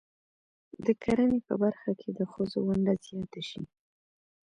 د کرنې په برخه کې د ښځو ونډه زیاته شي.